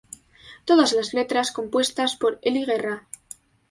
Todas las letras compuestas por Ely Guerra.